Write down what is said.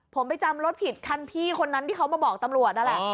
ผมไปจำรถผิดคันพี่คนนั้นที่เขามาบอกตำรวจนั่นแหละ